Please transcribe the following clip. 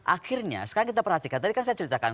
akhirnya sekarang kita perhatikan tadi kan saya ceritakan